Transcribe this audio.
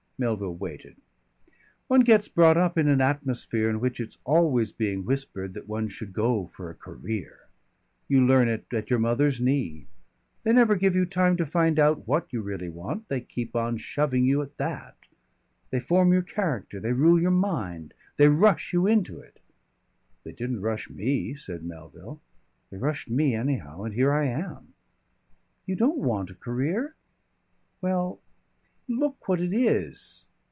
Melville waited. "One gets brought up in an atmosphere in which it's always being whispered that one should go for a career. You learn it at your mother's knee. They never give you time to find out what you really want, they keep on shoving you at that. They form your character. They rule your mind. They rush you into it." "They didn't rush me," said Melville. "They rushed me, anyhow. And here I am!" "You don't want a career?" "Well Look what it is."